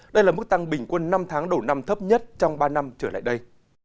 đây là mức tăng bình quân năm tháng đầu năm thấp nhất trong ba năm trở lại đây